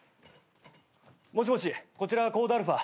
もしもしこちらコード・アルファ。